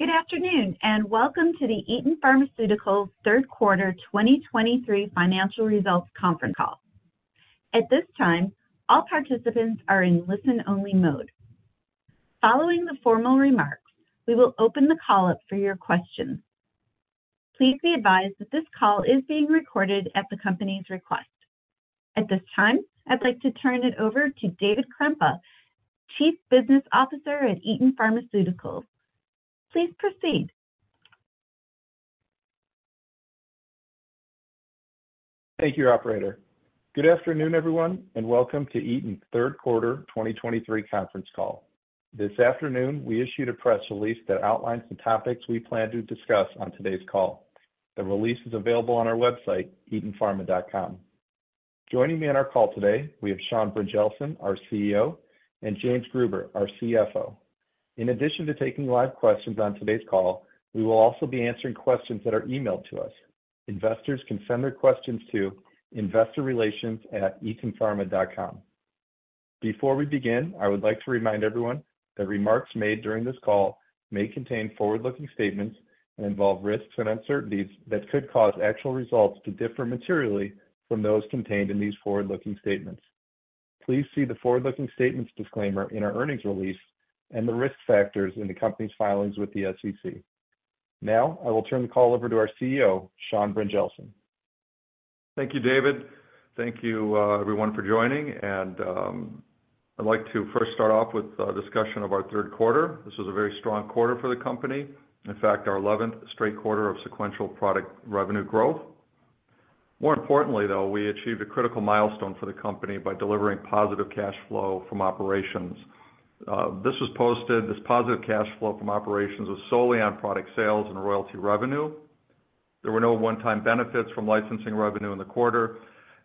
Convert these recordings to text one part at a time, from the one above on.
Good afternoon, and welcome to the Eton Pharmaceuticals third quarter 2023 financial results conference call. At this time, all participants are in listen-only mode. Following the formal remarks, we will open the call up for your questions. Please be advised that this call is being recorded at the company's request. At this time, I'd like to turn it over to David Krempa, Chief Business Officer at Eton Pharmaceuticals. Please proceed. Thank you, operator. Good afternoon, everyone, and welcome to Eton's third quarter 2023 conference call. This afternoon, we issued a press release that outlines the topics we plan to discuss on today's call. The release is available on our website, etonpharma.com. Joining me on our call today, we have Sean Brynjelsen, our CEO, and James Gruber, our CFO. In addition to taking live questions on today's call, we will also be answering questions that are emailed to us. Investors can send their questions to investorrelations@etonpharma.com. Before we begin, I would like to remind everyone that remarks made during this call may contain forward-looking statements and involve risks and uncertainties that could cause actual results to differ materially from those contained in these forward-looking statements. Please see the forward-looking statements disclaimer in our earnings release and the risk factors in the company's filings with the SEC. Now, I will turn the call over to our CEO, Sean Brynjelsen. Thank you, David. Thank you, everyone for joining, and, I'd like to first start off with a discussion of our third quarter. This was a very strong quarter for the company. In fact, our eleventh straight quarter of sequential product revenue growth. More importantly, though, we achieved a critical milestone for the company by delivering positive cash flow from operations. This was posted, this positive cash flow from operations was solely on product sales and royalty revenue. There were no one-time benefits from licensing revenue in the quarter,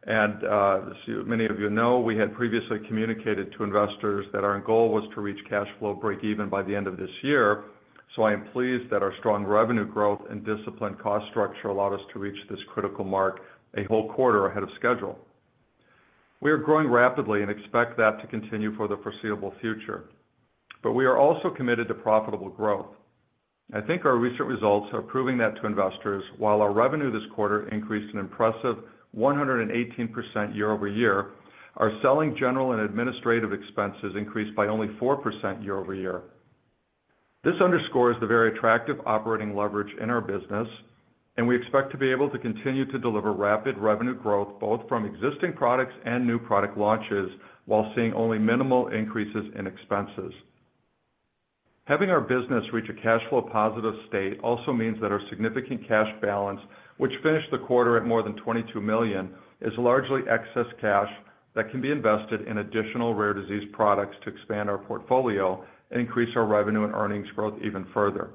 and, as many of you know, we had previously communicated to investors that our goal was to reach cash flow breakeven by the end of this year. So I am pleased that our strong revenue growth and disciplined cost structure allowed us to reach this critical mark a whole quarter ahead of schedule. We are growing rapidly and expect that to continue for the foreseeable future, but we are also committed to profitable growth. I think our recent results are proving that to investors, while our revenue this quarter increased an impressive 118% year-over-year, our selling general and administrative expenses increased by only 4% year-over-year. This underscores the very attractive operating leverage in our business, and we expect to be able to continue to deliver rapid revenue growth, both from existing products and new product launches, while seeing only minimal increases in expenses. Having our business reach a cash flow positive state also means that our significant cash balance, which finished the quarter at more than $22 million, is largely excess cash that can be invested in additional rare disease products to expand our portfolio and increase our revenue and earnings growth even further.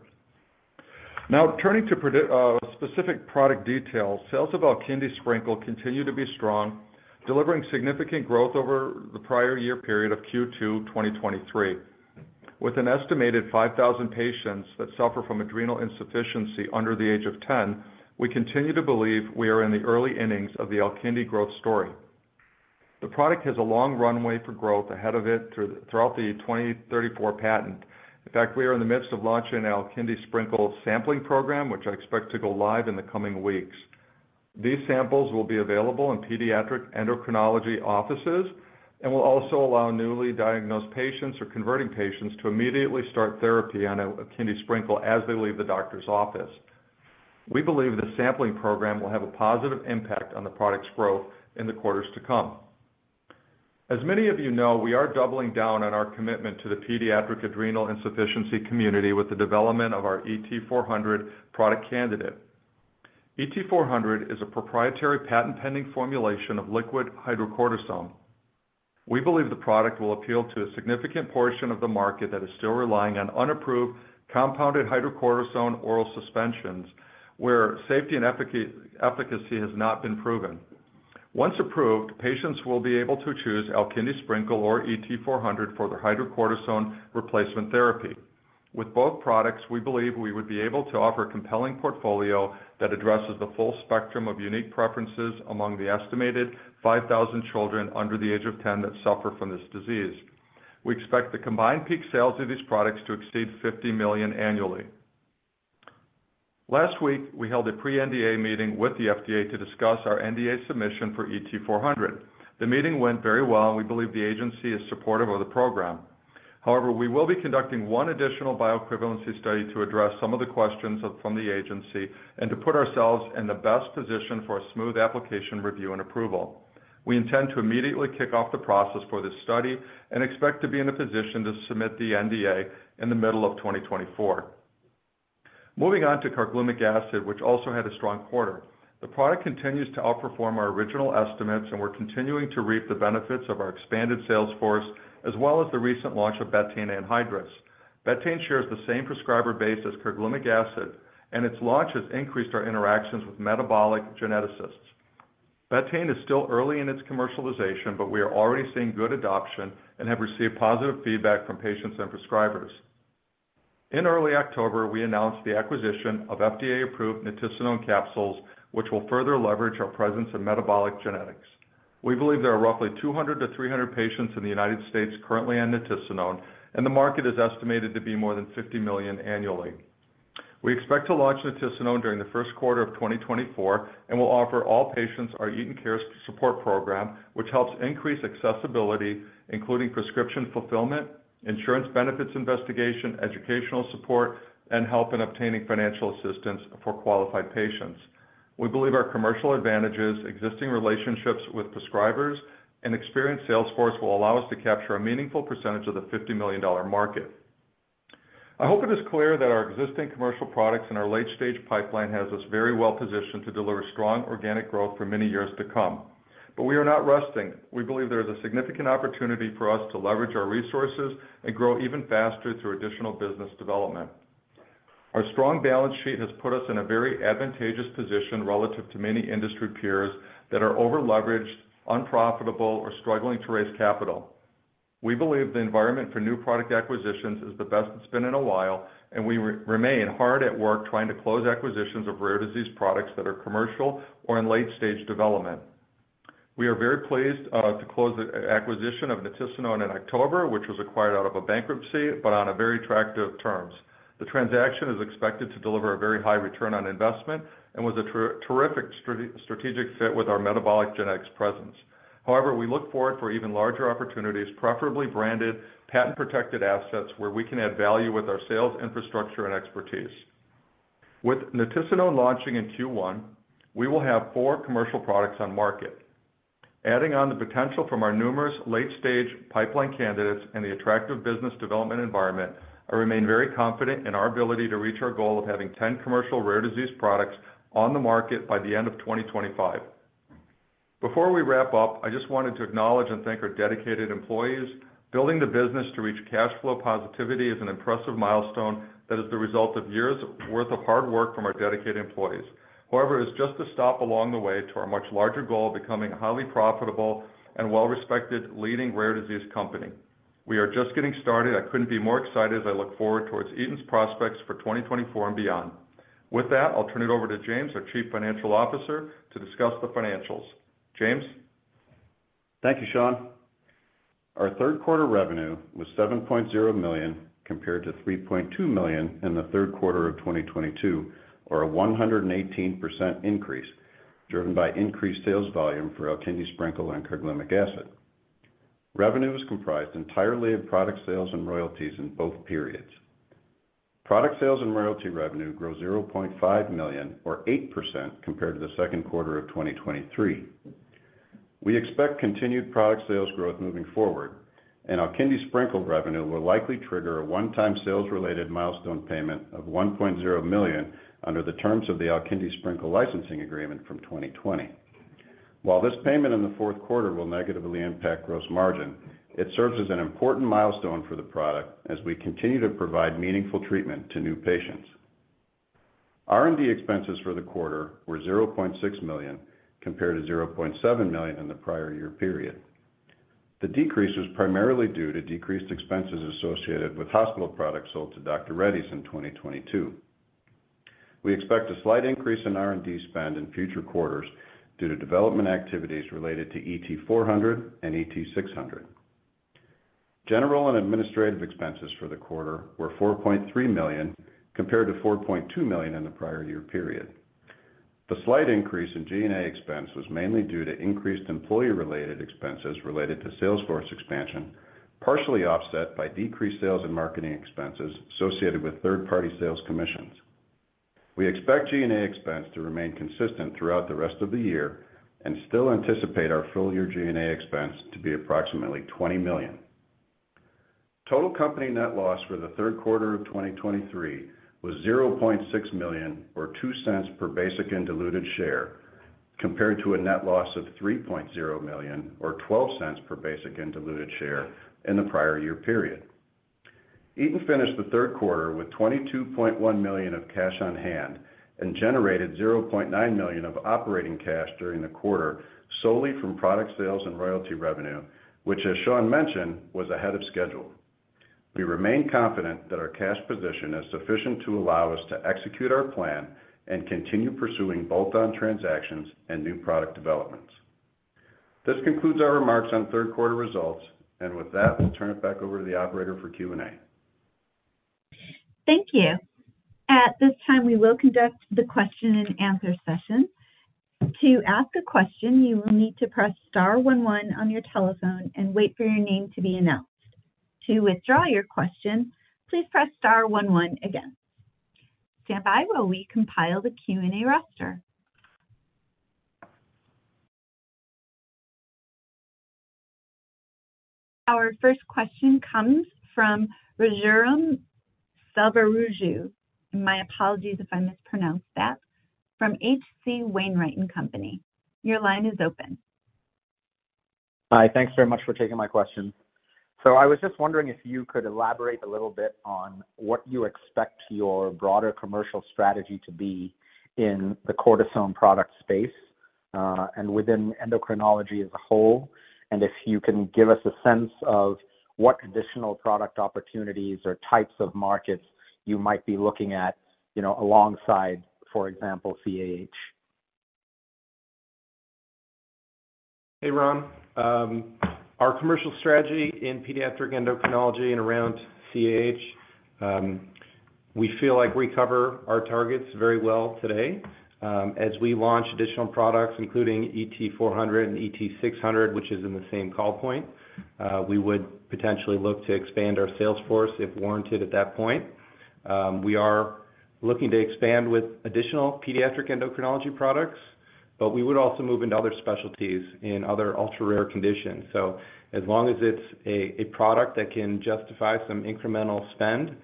Now, turning to specific product details, sales of Alkindi Sprinkle continue to be strong, delivering significant growth over the prior year period of Q2 2023. With an estimated 5,000 patients that suffer from adrenal insufficiency under the age of ten, we continue to believe we are in the early innings of the Alkindi growth story. The product has a long runway for growth ahead of it throughout the 2034 patent. In fact, we are in the midst of launching an Alkindi Sprinkle sampling program, which I expect to go live in the coming weeks. These samples will be available in pediatric endocrinology offices and will also allow newly diagnosed patients or converting patients to immediately start therapy on Alkindi Sprinkle as they leave the doctor's office. We believe the sampling program will have a positive impact on the product's growth in the quarters to come. As many of you know, we are doubling down on our commitment to the pediatric adrenal insufficiency community with the development of our ET-400 product candidate. ET-400 is a proprietary patent-pending formulation of liquid hydrocortisone. We believe the product will appeal to a significant portion of the market that is still relying on unapproved compounded hydrocortisone oral suspensions, where safety and efficacy has not been proven. Once approved, patients will be able to choose Alkindi Sprinkle or ET-400 for their hydrocortisone replacement therapy. With both products, we believe we would be able to offer a compelling portfolio that addresses the full spectrum of unique preferences among the estimated 5,000 children under the age of 10 that suffer from this disease. We expect the combined peak sales of these products to exceed $50 million annually. Last week, we held a Pre-NDA meeting with the FDA to discuss our NDA submission for ET-400. The meeting went very well. We believe the agency is supportive of the program. However, we will be conducting one additional bioequivalence study to address some of the questions from the agency and to put ourselves in the best position for a smooth application, review, and approval. We intend to immediately kick off the process for this study and expect to be in a position to submit the NDA in the middle of 2024. Moving on to carglumic acid, which also had a strong quarter. The product continues to outperform our original estimates, and we're continuing to reap the benefits of our expanded sales force, as well as the recent launch of betaine anhydrous. Betaine shares the same prescriber base as carglumic acid, and its launch has increased our interactions with metabolic geneticists. Betaine is still early in its commercialization, but we are already seeing good adoption and have received positive feedback from patients and prescribers. In early October, we announced the acquisition of FDA-approved nitisinone capsules, which will further leverage our presence in metabolic genetics. We believe there are roughly 200-300 patients in the United States currently on nitisinone, and the market is estimated to be more than $50 million annually. We expect to launch nitisinone during the first quarter of 2024, and we'll offer all patients our Eton Cares support program, which helps increase accessibility, including prescription fulfillment, insurance benefits investigation, educational support, and help in obtaining financial assistance for qualified patients. We believe our commercial advantages, existing relationships with prescribers, and experienced sales force will allow us to capture a meaningful percentage of the $50 million market. I hope it is clear that our existing commercial products and our late-stage pipeline has us very well positioned to deliver strong organic growth for many years to come. But we are not resting. We believe there is a significant opportunity for us to leverage our resources and grow even faster through additional business development. Our strong balance sheet has put us in a very advantageous position relative to many industry peers that are over-leveraged, unprofitable, or struggling to raise capital. We believe the environment for new product acquisitions is the best it's been in a while, and we remain hard at work trying to close acquisitions of rare disease products that are commercial or in late-stage development. We are very pleased to close the acquisition of nitisinone in October, which was acquired out of a bankruptcy, but on a very attractive terms. The transaction is expected to deliver a very high return on investment and was a terrific strategic fit with our metabolic genetics presence. However, we look forward for even larger opportunities, preferably branded, patent-protected assets, where we can add value with our sales infrastructure and expertise. With nitisinone launching in Q1, we will have 4 commercial products on market. Adding on the potential from our numerous late-stage pipeline candidates and the attractive business development environment, I remain very confident in our ability to reach our goal of having 10 commercial rare disease products on the market by the end of 2025. Before we wrap up, I just wanted to acknowledge and thank our dedicated employees. Building the business to reach cash flow positivity is an impressive milestone that is the result of years' worth of hard work from our dedicated employees. However, it's just a stop along the way to our much larger goal of becoming a highly profitable and well-respected leading rare disease company. We are just getting started. I couldn't be more excited as I look forward towards Eton's prospects for 2024 and beyond. With that, I'll turn it over to James, our Chief Financial Officer, to discuss the financials. James? Thank you, Sean. Our third quarter revenue was $7.0 million, compared to $3.2 million in the third quarter of 2022, or a 118% increase, driven by increased sales volume for Alkindi Sprinkles and carglumic acid. Revenue was comprised entirely of product sales and royalties in both periods. Product sales and royalty revenue grew $0.5 million or 8% compared to the second quarter of 2023. We expect continued product sales growth moving forward, and Alkindi Sprinkles revenue will likely trigger a one-time sales-related milestone payment of $1.0 million under the terms of the Alkindi Sprinkles licensing agreement from 2020. While this payment in the fourth quarter will negatively impact gross margin, it serves as an important milestone for the product as we continue to provide meaningful treatment to new patients. R&D expenses for the quarter were $0.6 million, compared to $0.7 million in the prior year period. The decrease was primarily due to decreased expenses associated with hospital products sold to Dr. Reddy's in 2022. We expect a slight increase in R&D spend in future quarters due to development activities related to ET-400 and ET-600. General and administrative expenses for the quarter were $4.3 million, compared to $4.2 million in the prior year period. The slight increase in G&A expense was mainly due to increased employee-related expenses related to sales force expansion, partially offset by decreased sales and marketing expenses associated with third-party sales commissions. We expect G&A expense to remain consistent throughout the rest of the year and still anticipate our full-year G&A expense to be approximately $20 million. Total company net loss for the third quarter of 2023 was $0.6 million, or $0.02 per basic and diluted share, compared to a net loss of $3.0 million, or $0.12 per basic and diluted share in the prior year period. Eton finished the third quarter with $22.1 million of cash on hand and generated $0.9 million of operating cash during the quarter, solely from product sales and royalty revenue, which, as Sean mentioned, was ahead of schedule. We remain confident that our cash position is sufficient to allow us to execute our plan and continue pursuing bolt-on transactions and new product developments. This concludes our remarks on third quarter results, and with that, we'll turn it back over to the operator for Q&A. Thank you. At this time, we will conduct the question and answer session. To ask a question, you will need to press star one one on your telephone and wait for your name to be announced. To withdraw your question, please press star one one again. Stand by while we compile the Q&A roster. Our first question comes from Raghuram Selvaraju, and my apologies if I mispronounced that, from H.C. Wainwright & Co. Your line is open. Hi, thanks very much for taking my question. So I was just wondering if you could elaborate a little bit on what you expect your broader commercial strategy to be in the cortisone product space, and within endocrinology as a whole, and if you can give us a sense of what additional product opportunities or types of markets you might be looking at, you know, alongside, for example, CAH?... Hey, Ram. Our commercial strategy in pediatric endocrinology and around CAH, we feel like we cover our targets very well today. As we launch additional products, including ET-400 and ET-600, which is in the same call point, we would potentially look to expand our sales force, if warranted at that point. We are looking to expand with additional pediatric endocrinology products, but we would also move into other specialties in other ultra-rare conditions. So as long as it's a product that can justify some incremental spend,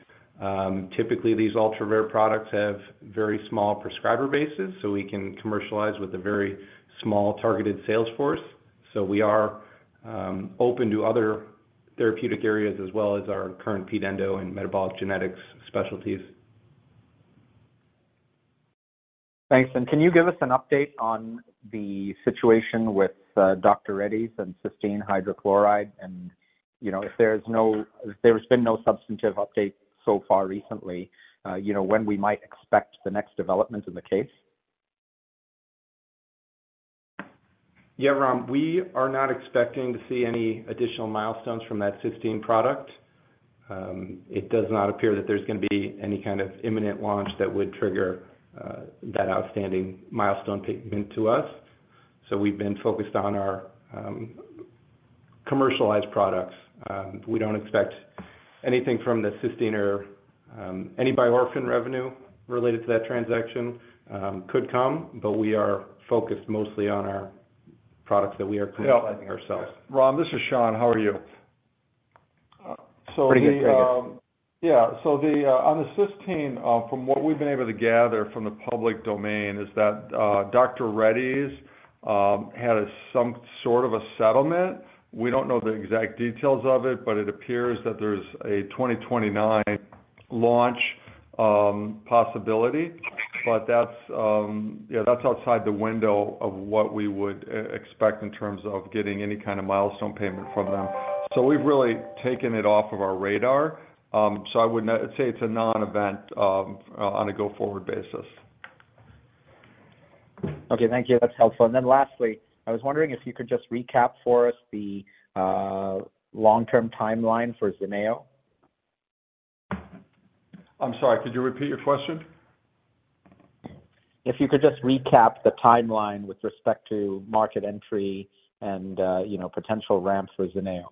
typically these ultra-rare products have very small prescriber bases, so we can commercialize with a very small targeted sales force. So we are open to other therapeutic areas as well as our current ped endo and metabolic genetics specialties. Thanks. And can you give us an update on the situation with Dr. Reddy's and cysteine hydrochloride? And, you know, if there's been no substantive update so far recently, you know, when we might expect the next development in the case? Yeah, Ram, we are not expecting to see any additional milestones from that cysteine product. It does not appear that there's going to be any kind of imminent launch that would trigger that outstanding milestone payment to us, so we've been focused on our commercialized products. We don't expect anything from the cysteine or any Biorphen revenue related to that transaction. Could come, but we are focused mostly on our products that we are commercializing ourselves. Ram, this is Sean. How are you? Pretty good. Yeah, so on the cysteine, from what we've been able to gather from the public domain, is that Dr. Reddy's had some sort of a settlement. We don't know the exact details of it, but it appears that there's a 2029 launch possibility. But that's outside the window of what we would expect in terms of getting any kind of milestone payment from them. So we've really taken it off of our radar. So I would not say it's a non-event on a go-forward basis. Okay, thank you. That's helpful. And then lastly, I was wondering if you could just recap for us the long-term timeline for ZENEO? I'm sorry, could you repeat your question? If you could just recap the timeline with respect to market entry and, you know, potential ramps for ZENEO?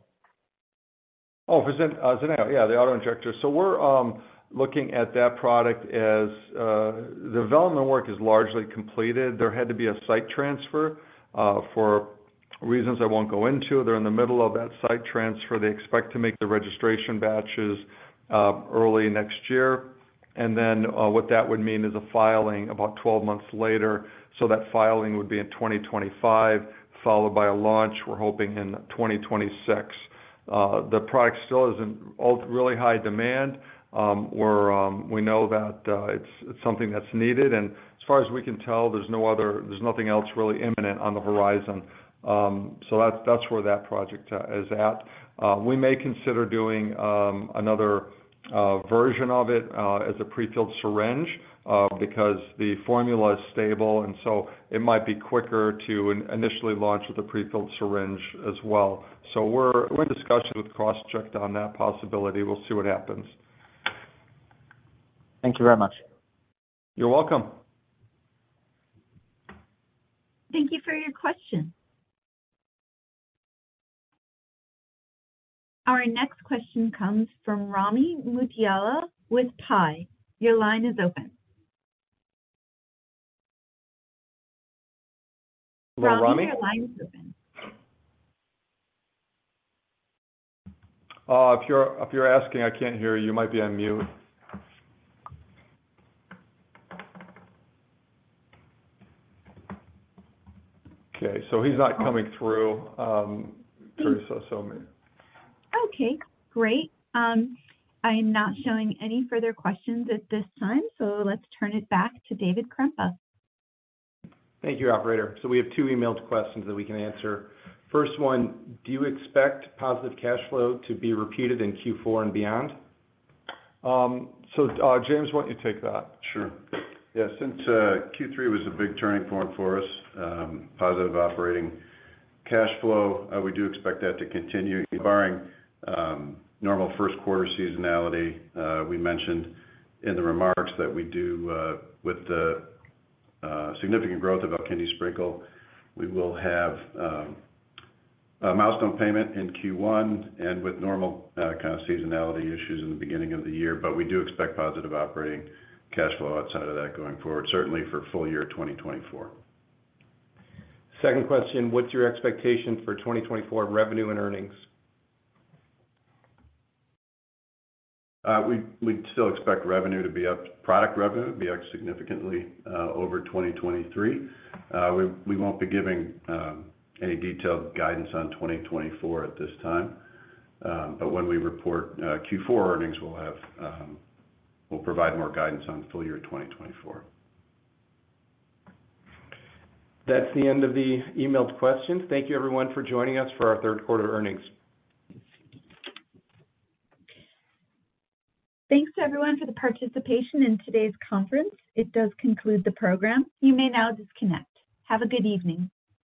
Oh, for ZENEO. Yeah, the autoinjector. So we're looking at that product as the development work is largely completed. There had to be a site transfer for reasons I won't go into. They're in the middle of that site transfer. They expect to make the registration batches early next year. And then what that would mean is a filing about 12 months later. So that filing would be in 2025, followed by a launch, we're hoping in 2026. The product still is in really high demand. We know that it's something that's needed, and as far as we can tell, there's nothing else really imminent on the horizon. So that's where that project is at. We may consider doing another version of it as a prefilled syringe because the formula is stable, and so it might be quicker to initially launch with a prefilled syringe as well. So we're in discussion with Crossject on that possibility. We'll see what happens. Thank you very much. You're welcome. Thank you for your question. Our next question comes from Rami Katkhuda with LifeSci Capital. Your line is open. Hello, Rami? Rami, your line is open. If you're asking, I can't hear you. You might be on mute. Okay, so he's not coming through, so- Okay, great. I am not showing any further questions at this time, so let's turn it back to David Krempa. Thank you, operator. We have two emailed questions that we can answer. First one: do you expect positive cash flow to be repeated in Q4 and beyond? So, James, why don't you take that? Sure. Yeah, since Q3 was a big turning point for us, positive operating cash flow, we do expect that to continue, barring normal first quarter seasonality. We mentioned in the remarks that we do, with the significant growth of Alkindi Sprinkle, we will have a milestone payment in Q1 and with normal kind of seasonality issues in the beginning of the year. But we do expect positive operating cash flow outside of that going forward, certainly for full year 2024. Second question: what's your expectation for 2024 revenue and earnings? We still expect revenue to be up, product revenue to be up significantly, over 2023. We won't be giving any detailed guidance on 2024 at this time. But when we report Q4 earnings, we'll provide more guidance on full year 2024. That's the end of the emailed questions. Thank you, everyone, for joining us for our third quarter earnings. Thanks to everyone for the participation in today's conference. It does conclude the program. You may now disconnect. Have a good evening.